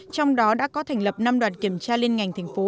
trong đó đã có thành lập năm đoàn kiểm tra liên ngành thành phố